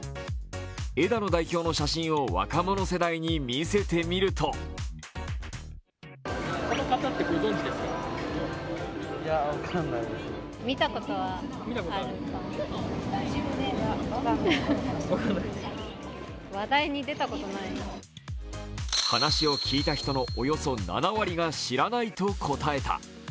枝野代表の写真を若者世代に見せてみると話を聞いた人のおよそ７割が知らないと答えた。